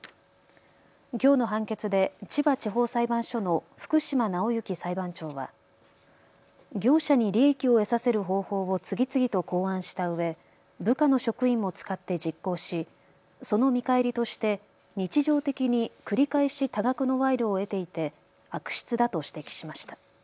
きょうの判決で千葉地方裁判所の福島直之裁判長は業者に利益を得させる方法を次々と考案したうえ、部下の職員も使って実行しその見返りとして日常的に繰り返し多額の賄賂を得ていて悪質だと指摘しました。